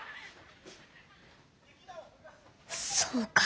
そうか。